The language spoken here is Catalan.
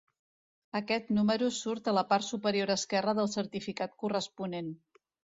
Aquest número surt a la part superior esquerra del certificat corresponent.